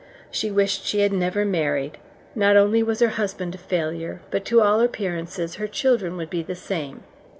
She wished she had never married: not only was her husband a failure, but to all appearances her children would be the same.